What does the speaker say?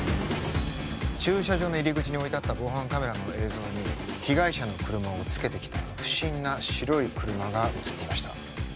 駐車場の入り口に置いてあった防犯カメラの映像に被害者の車をつけてきた不審な白い車が写っていました